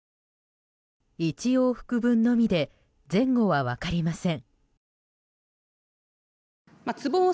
１往復分のみで前後は分かりません。